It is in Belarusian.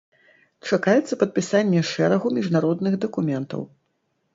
Чакаецца падпісанне шэрагу міжнародных дакументаў.